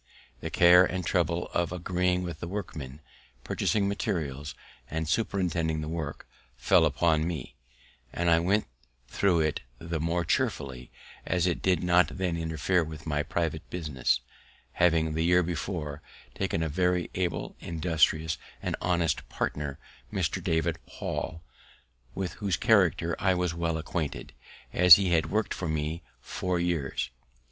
The care and trouble of agreeing with the workmen, purchasing materials, and superintending the work, fell upon me; and I went thro' it the more cheerfully, as it did not then interfere with my private business, having the year before taken a very able, industrious, and honest partner, Mr. David Hall, with whose character I was well acquainted, as he had work'd for me four years.